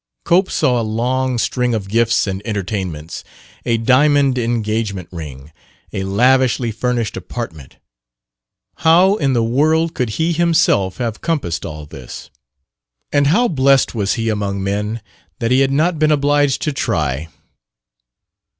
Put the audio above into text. Cope saw a long string of gifts and entertainments, a diamond engagement ring, a lavishly furnished apartment ... How in the world could he himself have compassed all this? And how blessed was he among men that he had not been obliged to try!